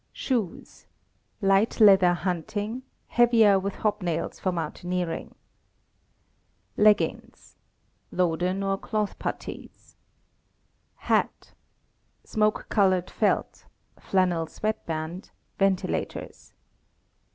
Shoes (light leather hunting; heavier, with hobnails, for mountaineering) . Leggings (loden, or cloth puttees). Hat (smoke colored felt, flannel sweat band, ventilators).